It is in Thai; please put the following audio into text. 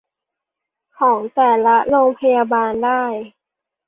ของแต่ละโรงพยาบาลได้